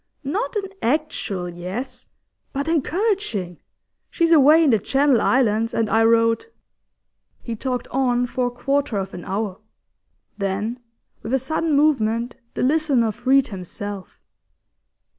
Not an actual yes, but encouraging! She's away in the Channel Islands, and I wrote ' He talked on for a quarter of an hour. Then, with a sudden movement, the listener freed himself.